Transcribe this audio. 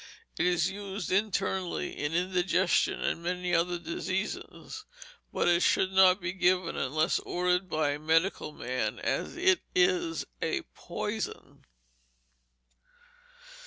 It is used internally in indigestion, and many other diseases; _but it should not be given unless ordered by a medical man, as it is a poison.